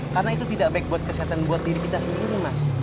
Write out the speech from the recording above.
karena itu tidak baik buat kesehatan buat diri kita sendiri mas